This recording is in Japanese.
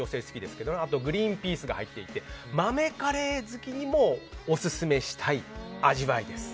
あとグリーンピースが入っていて豆カレー好きにもオススメしたい味わいです。